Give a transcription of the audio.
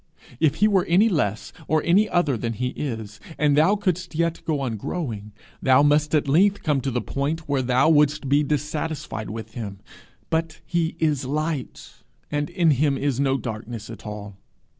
If he were any less or any other than he is, and thou couldst yet go on growing, thou must at length come to the point where thou wouldst be dissatisfied with him; but he is light, and in him is no darkness at all.